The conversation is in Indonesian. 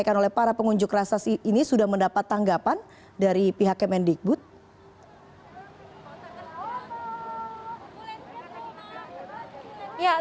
sampaikan oleh para pengunjuk rasasi ini sudah mendapat tanggapan dari pihak kementerian pendidikan dan kebudayaan jakarta